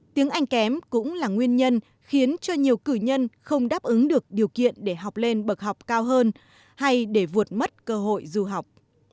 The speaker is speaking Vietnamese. tiếng anh kém cũng là nguyên nhân khiến cho nhiều cử nhân không đáp ứng được điều kiện để học lên bậc học cao hơn hay để vượt mất cơ hội du học